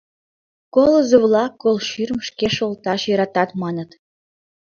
Колызо-влак кол шӱрым шке шолташ йӧратат, маныт.